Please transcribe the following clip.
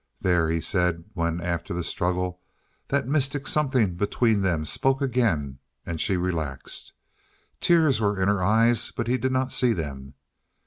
"There," he said when, after the struggle, that mystic something between them spoke again, and she relaxed. Tears were in her eyes, but he did not see them.